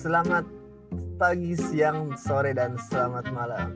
selamat pagi siang sore dan selamat malam